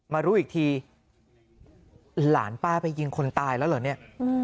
มารู้อีกทีหลานป้าไปยิงคนตายแล้วเหรอเนี่ย